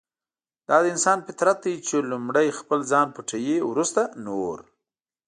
دا د انسان فطرت دی چې لومړی خپل ځان پټوي ورسته نور.